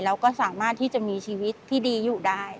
แล้วก็สามารถที่จะมีชีวิตที่ดีอยู่ได้